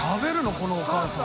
このお母さん。